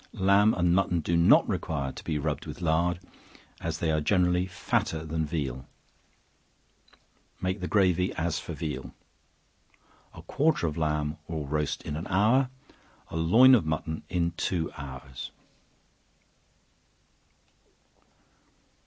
Lamb and mutton do not require to be rubbed with lard, as they are generally fatter than veal; make the gravy as for veal. A quarter of lamb will roast in an hour; a loin of mutton in two hours.